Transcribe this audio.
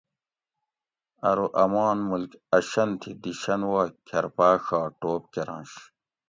ارو آمان ملک آ شن تھی دی شن وا کرپا ڛا ٹوپ کرنش